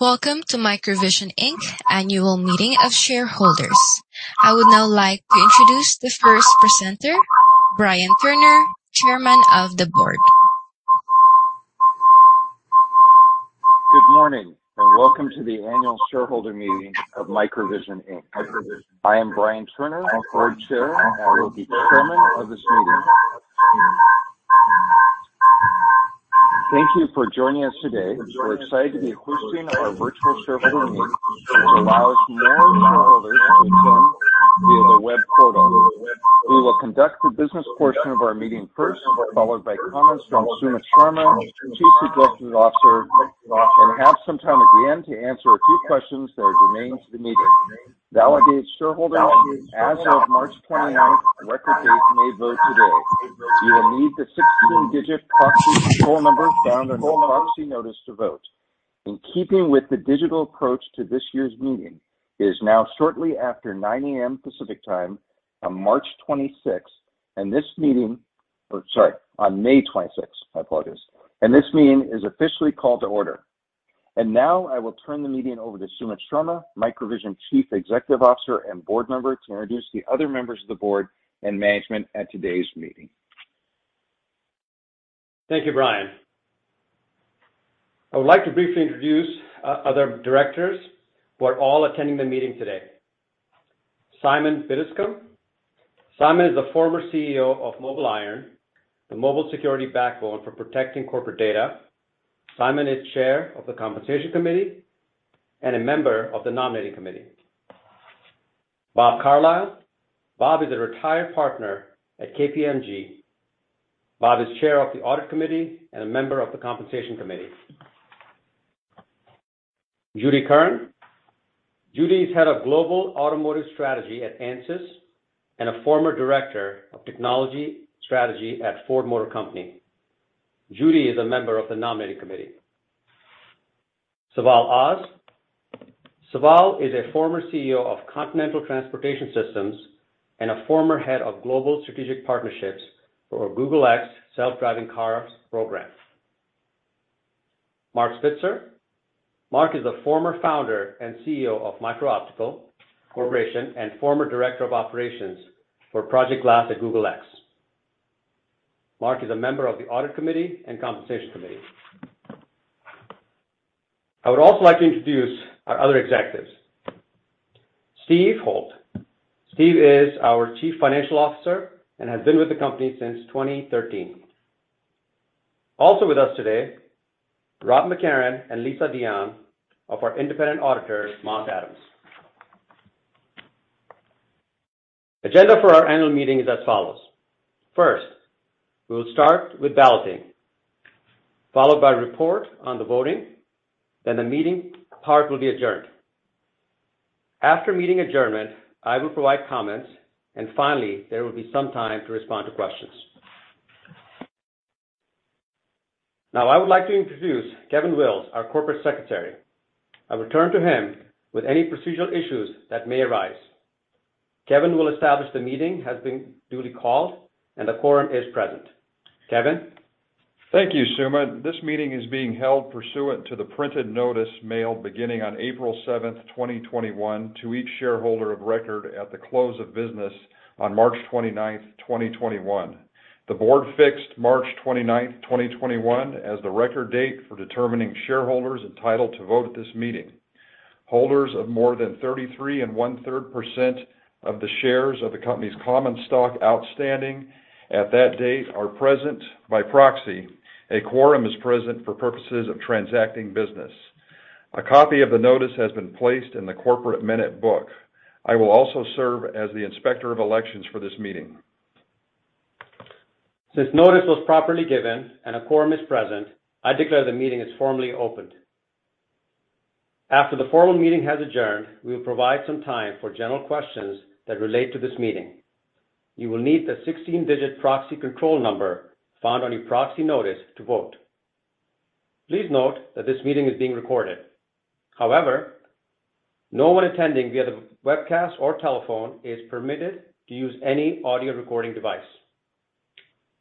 Welcome to MicroVision, Inc's annual meeting of shareholders. I would now like to introduce the first presenter, Brian Turner, Chairman of the Board. Good morning, welcome to the annual shareholder meeting of MicroVision, Inc. I am Brian Turner, Board Chair, and I will be Chairman of this meeting. Thank you for joining us today. We're excited to be hosting our virtual shareholder meeting, which allows more shareholders to attend via the web portal. We will conduct the business portion of our meeting first, followed by comments from Sumit Sharma, Chief Executive Officer. We have some time at the end to answer a few questions that are germane to the meeting. Validated shareholders as of March 29th record date may vote today. You will need the 16-digit proxy control number found on your proxy notice to vote. In keeping with the digital approach to this year's meeting, it is now shortly after 9:00 A.M. Pacific Time on March 26th, oh, sorry, on May 26th, my apologies, and this meeting is officially called to order. Now I will turn the meeting over to Sumit Sharma, MicroVision Chief Executive Officer and Board Member, to introduce the other members of the Board and management at today's meeting. Thank you, Brian. I would like to briefly introduce our other Directors who are all attending the meeting today. Simon Biddiscombe. Simon is a former CEO of MobileIron, the mobile security backbone for protecting corporate data. Simon is Chair of the Compensation Committee and a member of the Nominating Committee. Rob Carlile. Rob is a retired partner at KPMG. Rob is Chair of the Audit Committee and a member of the Compensation Committee. Judy Curran. Judy is Head of Global Automotive Strategy at Ansys and a former Director of Technology Strategy at Ford Motor Company. Judy is a member of the Nominating Committee. Seval Oz. Seval is a former CEO of Continental Transportation Systems and a former Head of Global Strategic Partnerships for Google X self-driving cars program. Mark Spitzer. Mark is a former Founder and CEO of MicroOptical Corporation and former Director of Operations for Project Glass at Google X. Mark is a member of the Audit Committee and Compensation Committee. I would also like to introduce our other executives. Steve Holt. Steve is our Chief Financial Officer and has been with the company since 2013. Also with us today, Rob McEachran and Lisa Dion of our independent auditors, Moss Adams. Agenda for our annual meeting is as follows. First, we will start with balloting, followed by report on the voting, then the meeting part will be adjourned. After meeting adjournment, I will provide comments, and finally, there will be some time to respond to questions. I would like to introduce Kevin Wills, our Corporate Secretary. I would turn to him with any procedural issues that may arise. Kevin will establish the meeting has been duly called, and a quorum is present. Kevin? Thank you, Sumit. This meeting is being held pursuant to the printed notice mailed beginning on April 7th, 2021, to each shareholder of record at the close of business on March 29th, 2021. The Board fixed March 29th, 2021, as the record date for determining shareholders entitled to vote at this meeting. Holders of more than 33 1/3% of the shares of the company's common stock outstanding at that date are present by proxy. A quorum is present for purposes of transacting business. A copy of the notice has been placed in the corporate minute book. I will also serve as the Inspector of Elections for this meeting. Since notice was properly given and a quorum is present, I declare the meeting is formally opened. After the formal meeting has adjourned, we will provide some time for general questions that relate to this meeting. You will need the 16-digit proxy control number found on your proxy notice to vote. Please note that this meeting is being recorded. However, no one attending via the webcast or telephone is permitted to use any audio recording device.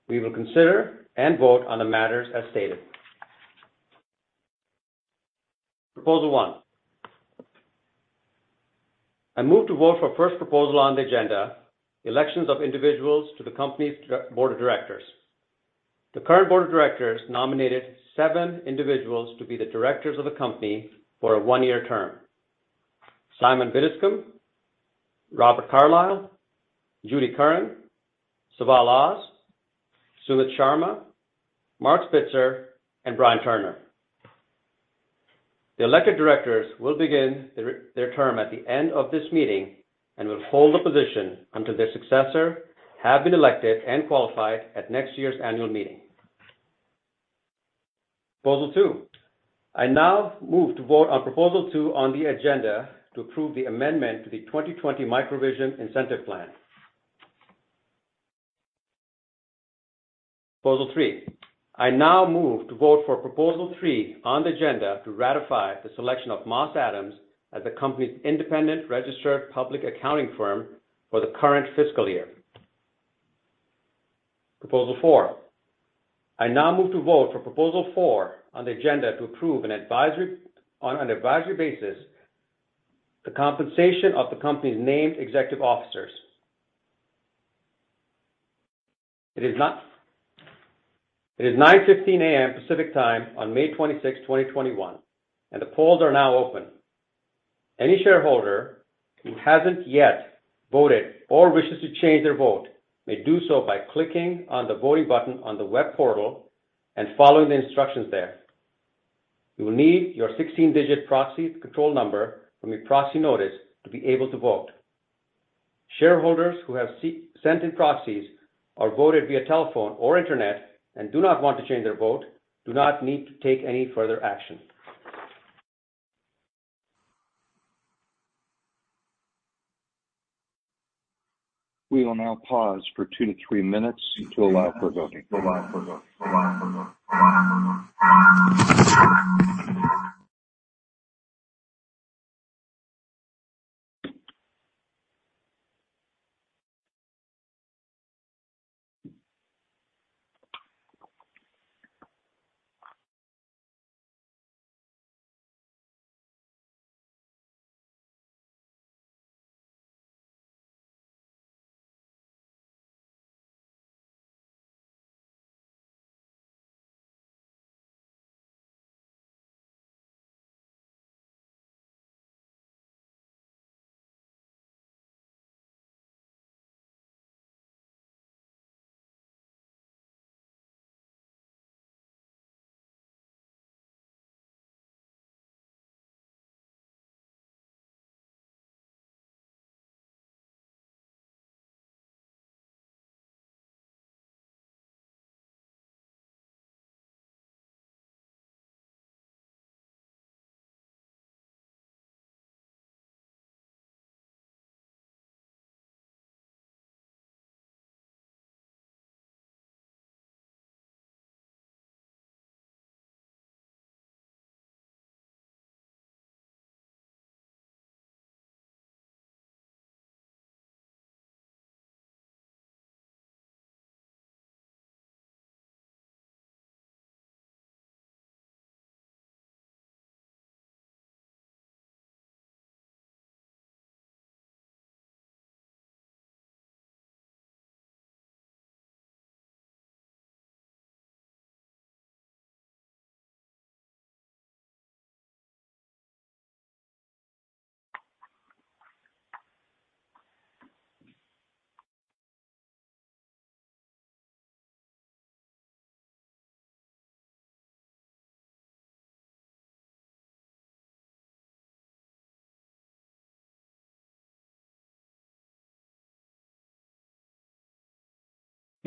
We will consider and vote on the matters as stated. Proposal 1. I move to vote for first proposal on the agenda, elections of individuals to the company's Board of Directors. The current Board of Directors nominated seven individuals to be the directors of the company for a one-year term. Simon Biddiscombe, Robert Carlile, Judy Curran, Seval Oz, Sumit Sharma, Mark Spitzer, and Brian Turner. The elected directors will begin their term at the end of this meeting and will hold the position until their successor have been elected and qualified at next year's annual meeting. Proposal 2. I now move to vote on proposal 2 on the agenda to approve the amendment to the 2020 MicroVision Incentive Plan. Proposal 3. I now move to vote for proposal 3 on the agenda to ratify the selection of Moss Adams as the company's independent registered public accounting firm for the current fiscal year. Proposal 4. I now move to vote for proposal 4 on the agenda to approve on an advisory basis, the compensation of the company's named executive officers. It is 9:05 A.M. Pacific Time on May 26th, 2021, and the polls are now open. Any shareholder who hasn't yet voted or wishes to change their vote may do so by clicking on the voting button on the web portal and following the instructions there. You will need your 16-digit proxy control number from your proxy notice to be able to vote. Shareholders who have sent in proxies or voted via telephone or internet and do not want to change their vote do not need to take any further action. We will now pause for two to three minutes to allow for voting.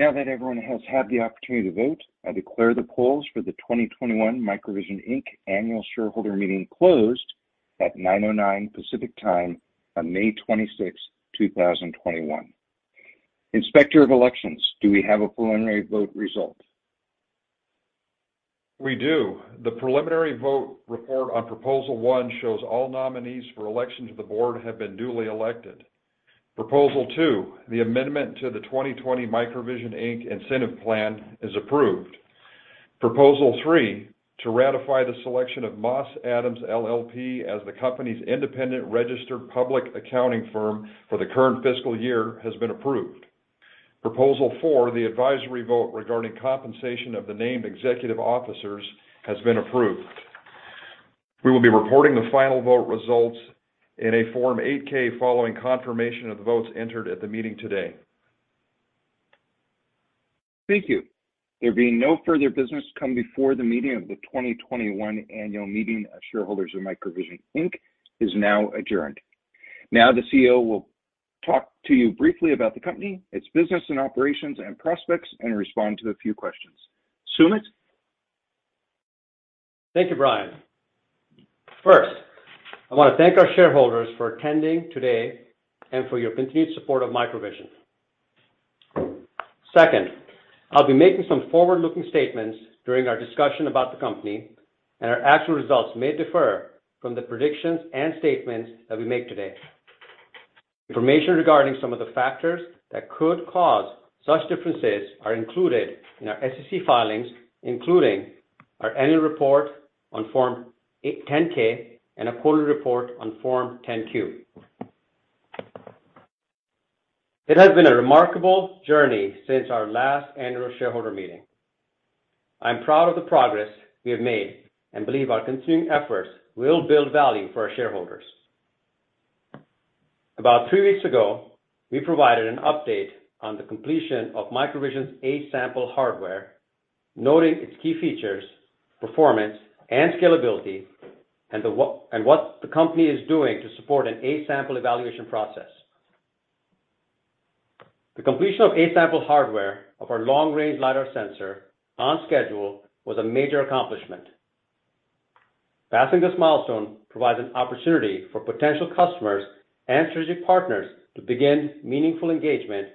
Now that everyone has had the opportunity to vote, I declare the polls for the 2021 MicroVision, Inc Annual Shareholder Meeting closed at 9:09 Pacific Time on May 26th, 2021. Inspector of elections, do we have a preliminary vote result? We do. The preliminary vote report on proposal 1 shows all nominees for election to the Board have been duly elected. Proposal 2, the amendment to the 2020 MicroVision, Inc Incentive Plan is approved. Proposal 3, to ratify the selection of Moss Adams LLP as the company's independent registered public accounting firm for the current fiscal year has been approved. Proposal 4, the advisory vote regarding compensation of the named executive officers has been approved. We will be reporting the final vote results in a Form 8-K following confirmation of the votes entered at the meeting today. Thank you. There being no further business come before the meeting, the 2021 annual meeting of shareholders of MicroVision, Inc is now adjourned. The CEO will talk to you briefly about the company, its business and operations and prospects, and respond to a few questions. Sumit? Thank you, Brian. First, I want to thank our shareholders for attending today and for your continued support of MicroVision. Second, I'll be making some forward-looking statements during our discussion about the company, and our actual results may differ from the predictions and statements that we make today. Information regarding some of the factors that could cause such differences are included in our SEC filings, including our annual report on Form 10-K and our quarterly report on Form 10-Q. It has been a remarkable journey since our last annual shareholder meeting. I'm proud of the progress we have made and believe our continuing efforts will build value for our shareholders. About two weeks ago, we provided an update on the completion of MicroVision's A-Sample hardware, noting its key features, performance, and scalability, and what the company is doing to support an A-Sample evaluation process. The completion of A-Sample hardware of our long-range Lidar sensor on schedule was a major accomplishment. Passing this milestone provides an opportunity for potential customers and strategic partners to begin meaningful engagement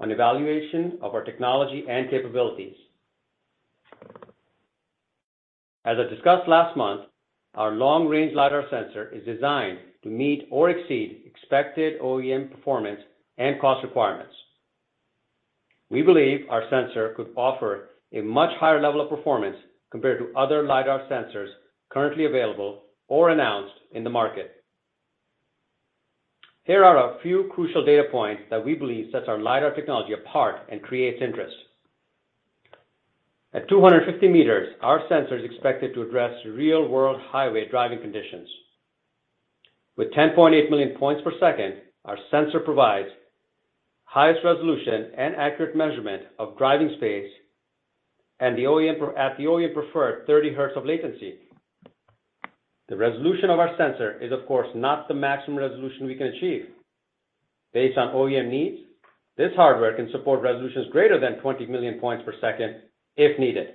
on evaluation of our technology and capabilities. As I discussed last month, our long-range Lidar sensor is designed to meet or exceed expected OEM performance and cost requirements. We believe our sensor could offer a much higher level of performance compared to other Lidar sensors currently available or announced in the market. Here are a few crucial data points that we believe sets our Lidar technology apart and creates interest. At 250 m, our sensor is expected to address real-world highway driving conditions. With 10.8 million points per second, our sensor provides highest resolution and accurate measurement of driving space at the OEM preferred 30 Hz of latency. The resolution of our sensor is, of course, not the maximum resolution we can achieve. Based on OEM needs, this hardware can support resolutions greater than 20 million points per second if needed.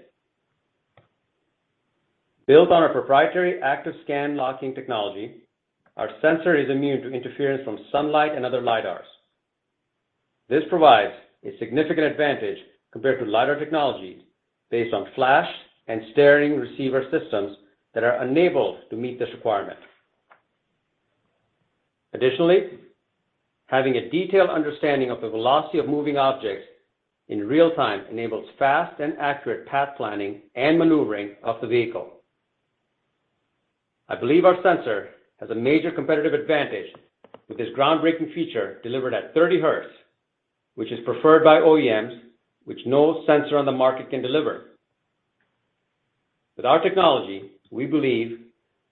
Built on our proprietary active scan locking technology, our sensor is immune to interference from sunlight and other Lidars. This provides a significant advantage compared to Lidar technologies based on flash and staring receiver systems that are unable to meet this requirement. Additionally, having a detailed understanding of the velocity of moving objects in real time enables fast and accurate path planning and maneuvering of the vehicle. I believe our sensor has a major competitive advantage with this groundbreaking feature delivered at 30 Hz, which is preferred by OEMs, which no sensor on the market can deliver. With our technology, we believe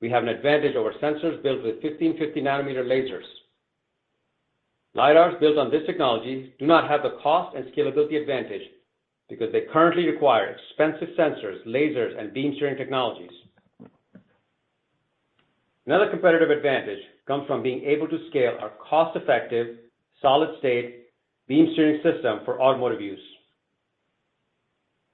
we have an advantage over sensors built with 1550 nm lasers. Lidars built on this technology do not have the cost and scalability advantage because they currently require expensive sensors, lasers, and beam steering technologies. Another competitive advantage comes from being able to scale our cost-effective, solid-state beam steering system for automotive use.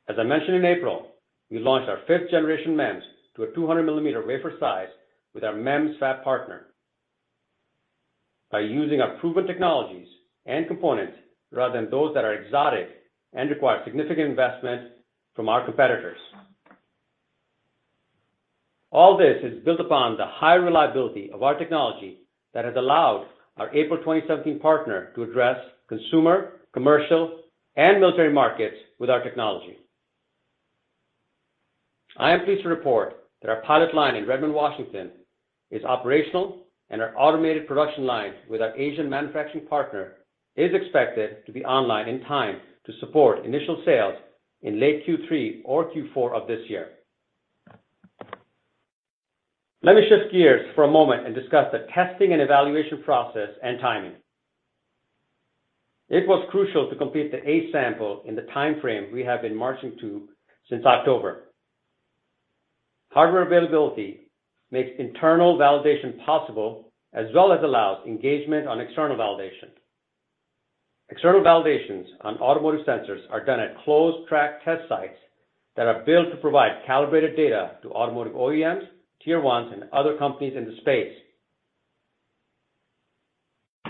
As I mentioned in April, we launched our 5th-generation MEMS to a 200-millimeter wafer size with our MEMS fab partner by using our proven technologies and components rather than those that are exotic and require significant investment from our competitors. All this is built upon the high reliability of our technology that has allowed our April 2017 partner to address consumer, commercial, and military markets with our technology. I am pleased to report that our pilot line in Redmond, Washington, is operational, and our automated production line with our Asian manufacturing partner is expected to be online in time to support initial sales in late Q3 or Q4 of this year. Let me shift gears for a moment and discuss the testing and evaluation process and timing. It was crucial to complete the A-Sample in the timeframe we have been marching to since October. Hardware availability makes internal validation possible, as well as allows engagement on external validation. External validations on automotive sensors are done at closed-track test sites that are built to provide calibrated data to automotive OEMs, Tier 1s, and other companies in the space.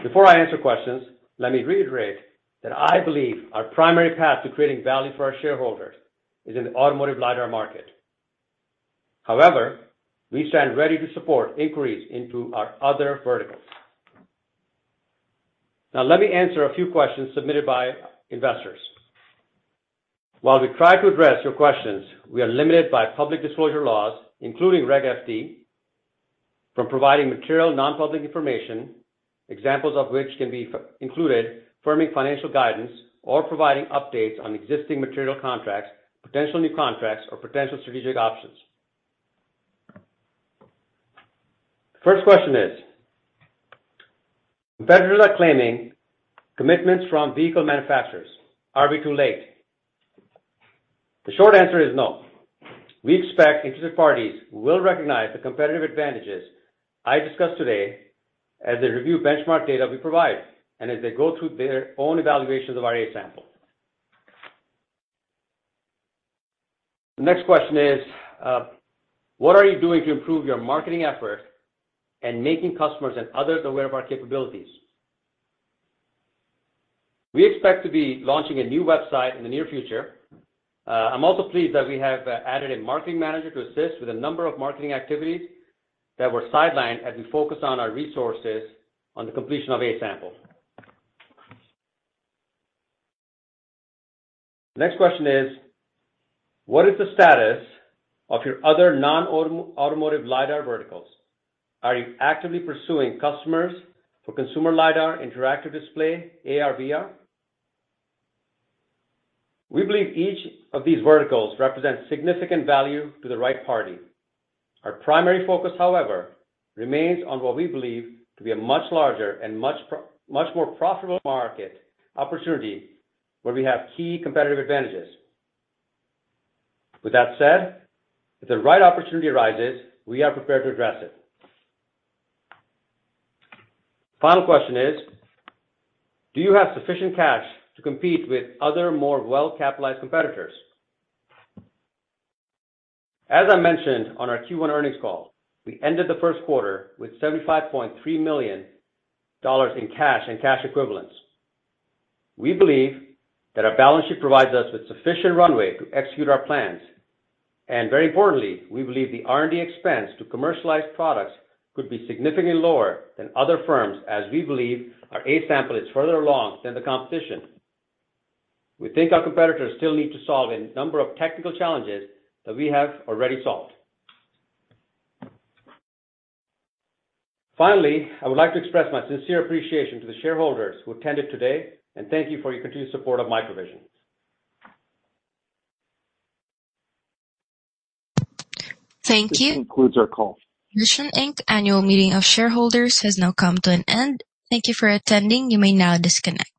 Before I answer questions, let me reiterate that I believe our primary path to creating value for our shareholders is in the automotive Lidar market. We stand ready to support inquiries into our other verticals. Let me answer a few questions submitted by investors. While we try to address your questions, we are limited by public disclosure laws, including Reg FD, from providing material non-public information, examples of which can be included, firming financial guidance or providing updates on existing material contracts, potential new contracts, or potential strategic options. First question is: Competitors are claiming commitments from vehicle manufacturers. Are we too late? The short answer is no. We expect interested parties will recognize the competitive advantages I discussed today as they review benchmark data we provide and as they go through their own evaluations of our A-Sample. The next question is: What are you doing to improve your marketing efforts and making customers and others aware of our capabilities? We expect to be launching a new website in the near future. I'm also pleased that we have added a marketing manager to assist with a number of marketing activities that were sidelined as we focused our resources on the completion of A-Sample. Next question is: What is the status of your other non-automotive Lidar verticals? Are you actively pursuing customers for consumer Lidar, interactive display, AR/VR? We believe each of these verticals represents significant value to the right party. Our primary focus, however, remains on what we believe to be a much larger and much more profitable market opportunity where we have key competitive advantages. With that said, if the right opportunity arises, we are prepared to address it. Final question is: Do you have sufficient cash to compete with other, more well-capitalized competitors? As I mentioned on our Q1 earnings call, we ended the first quarter with $75.3 million in cash and cash equivalents. We believe that our balance sheet provides us with sufficient runway to execute our plans. Very importantly, we believe the R&D expense to commercialize products could be significantly lower than other firms, as we believe our A-Sample is further along than the competition. We think our competitors still need to solve a number of technical challenges that we have already solved. Finally, I would like to express my sincere appreciation to the shareholders who attended today, and thank you for your continued support of MicroVision. Thank you. This concludes our call. The MicroVision Inc's annual meeting of shareholders has now come to an end. Thank you for attending. You may now disconnect.